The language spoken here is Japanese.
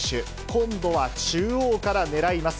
今度は中央から狙います。